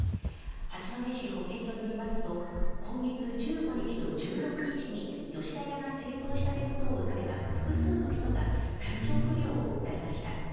八戸市保健所によりますと、今月１５日と１６日に、吉田屋が製造した弁当を食べた複数の人が、体調不良を訴えました。